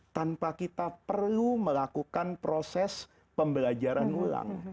tanpa kita perlu melakukan proses pembelajaran ulang